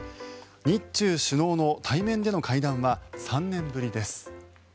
日中首脳の対面での会談は３年ぶりです。